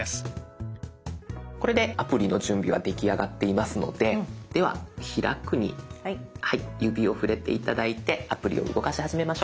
これでアプリの準備は出来上がっていますのででは「開く」に指を触れて頂いてアプリを動かし始めましょう。